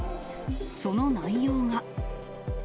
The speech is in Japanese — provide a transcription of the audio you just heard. その内容が。